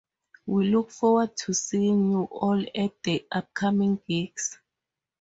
We look forward to seeing you all at the upcoming gigs.